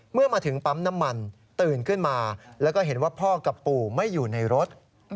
เมื่อมาถึงปั๊มน้ำมันตื่นขึ้นมาแล้วก็เห็นว่าพ่อกับปู่ไม่อยู่ในรถ